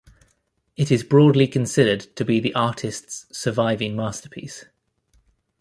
It is broadly considered to be the artist's surviving masterpiece.